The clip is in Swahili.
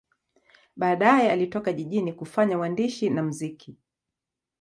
Baadaye alitoka jijini kufanya uandishi na muziki.